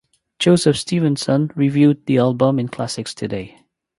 Joseph Stevenson reviewed the album in "Classics Today".